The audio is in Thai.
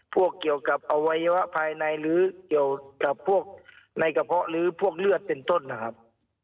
เกี่ยวกับอวัยวะภายในหรือเกี่ยวกับพวกในกระเพาะหรือพวกเลือดเป็นต้นนะครับ